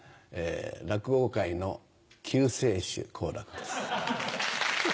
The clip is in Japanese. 落語界のキュウ世主好楽です。